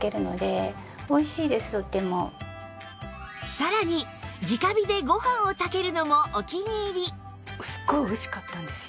さらに直火でご飯を炊けるのもお気に入り